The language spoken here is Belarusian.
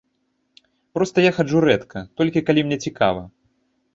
Проста я хаджу рэдка, толькі калі мне цікава.